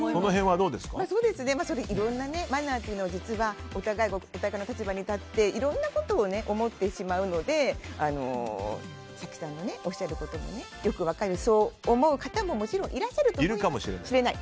マナーというのはお互いがお互いの立場に立っていろんなことを思ってしまうので早紀さんがおっしゃることもよく分かるしそう思う方も、もちろんいらっしゃるかもしれない。